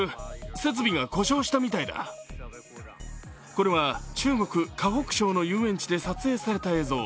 これは中国・河北省の遊園地で撮影された映像。